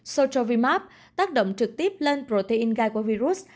sochovimap tác động trực tiếp lên protein gai của virus